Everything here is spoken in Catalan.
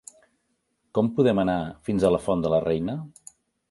Com podem anar fins a la Font de la Reina?